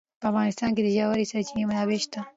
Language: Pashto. په افغانستان کې د ژورې سرچینې منابع شته.